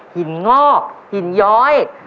หินงอกหินย้อย